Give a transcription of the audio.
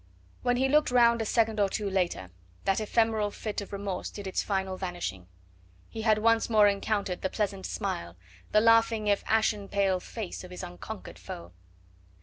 When he looked round a second or two later that ephemeral fit of remorse did its final vanishing; he had once more encountered the pleasant smile, the laughing if ashen pale face of his unconquered foe.